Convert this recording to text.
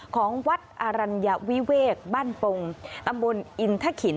ของวัดอรัญวิเวกบ้านปงตำบลอินทะขิน